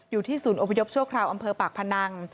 อยู่ที่ศูนย์อพยพชั่วคราวอำเภอปากพนัง